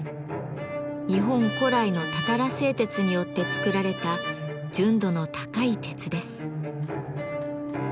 日本古来のたたら製鉄によって作られた純度の高い鉄です。